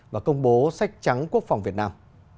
và công bố sách trắng quốc phòng việt nam